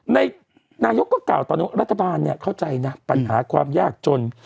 นายกก็กล่าวตอนนี้รัฐบาลเข้าใจนะปัญหาความยากจน